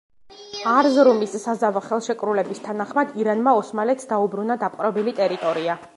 არზრუმის საზავო ხელშეკრულების თანახმად, ირანმა ოსმალეთს დაუბრუნა დაპყრობილი ტერიტორია.